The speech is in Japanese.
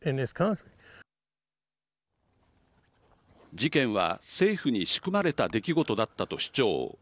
事件は政府に仕組まれた出来事だったと主張。